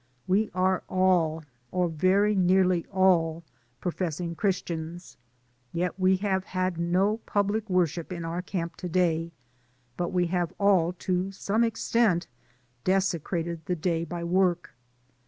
We are all, or very nearly all, professing Christians, yet we have had no public worship in our camp to day, but we have all, to some extent, desecrated the day by work.